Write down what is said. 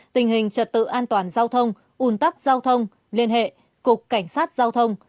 tình hình trật tự an toàn giao thông ủn tắc giao thông liên hệ cục cảnh sát giao thông